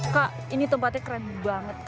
kak ini tempatnya keren banget